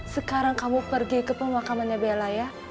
sekarang kamu pergi ke pemakamannya bella ya